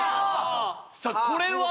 さあこれは？